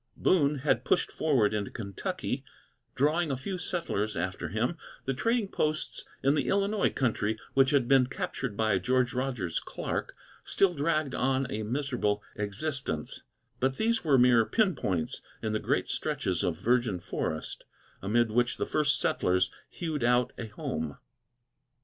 Boone had pushed forward into Kentucky, drawing a few settlers after him; the trading posts in the Illinois country, which had been captured by George Rogers Clark, still dragged on a miserable existence; but these were mere pin points in the great stretches of virgin forest, amid which the first settlers hewed out a home.